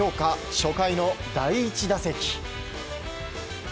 初回の第１打席。